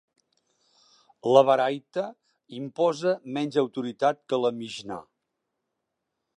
La Baraita imposa menys autoritat que la Mixnà.